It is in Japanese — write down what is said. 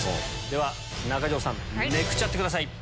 では中条さんめくっちゃってください。